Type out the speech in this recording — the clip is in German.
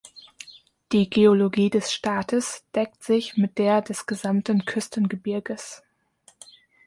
Die Geologie des Staates deckt sich mit der des gesamten Küstengebirges.